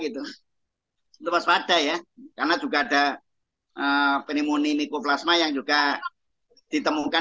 tetap pas pada ya karena juga ada penimunin mikroplasma yang juga ditemukan